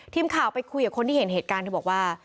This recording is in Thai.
ทีมข่าวไปคุยกับคนที่เห็นเหตุการณ์เธอบอกว่า